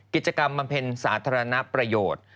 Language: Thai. บำเพ็ญสาธารณประโยชน์